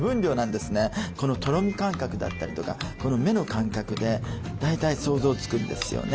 このとろみ感覚だったりとかこの目の感覚で大体想像つくんですよね。